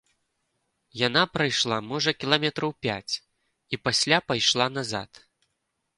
Яна прайшла, можа, кіламетраў пяць і пасля пайшла назад.